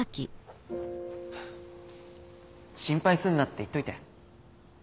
心配すんなって言っといて。